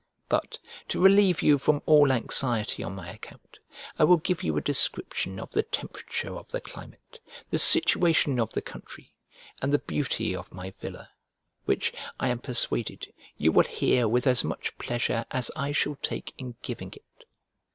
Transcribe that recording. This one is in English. But, to relieve you from all anxiety on my account, I will give you a description of the temperature of the climate, the situation of the country, and the beauty of my villa, which, I am persuaded, you will hear with as much pleasure as I shall take in giving it.